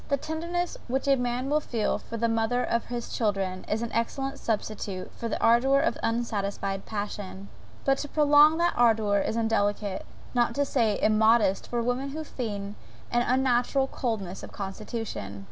The tenderness which a man will feel for the mother of his children is an excellent substitute for the ardour of unsatisfied passion; but to prolong that ardour it is indelicate, not to say immodest, for women to feign an unnatural coldness of constitution.